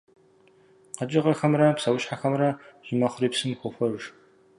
КъэкӀыгъэхэмрэ псэущхьэхэмрэ жьы мэхъури псым хохуэж.